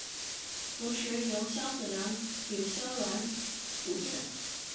同时由萧子良与萧鸾辅政。